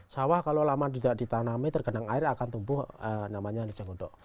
sawah kalau lama tidak ditanami tergenang air akan tumbuh namanya lijang gondok